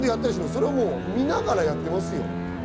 それは見ながらやってます。